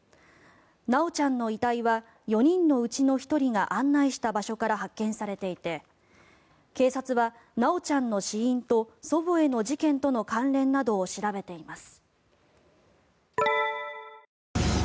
修ちゃんの遺体は４人のうちの１人が案内した場所から発見されていて警察は修ちゃんの死因と祖母への事件との関連などを調べています。